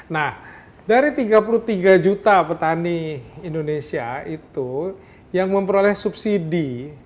nah dari tiga puluh tiga juta petani indonesia itu yang memperoleh subsidi